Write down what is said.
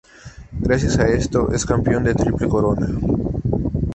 Gracias a esto, es Campeón de Triple Corona.